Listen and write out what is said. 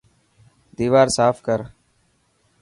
ديوار ساف ڪر.